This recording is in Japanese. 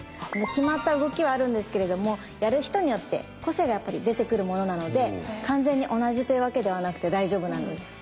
決まった動きはあるんですけれどもやる人によって個性がやっぱり出てくるものなので完全に同じというわけではなくて大丈夫なんです。